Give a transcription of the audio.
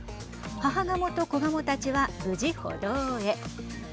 母ガモと子ガモたちは無事、歩道へ。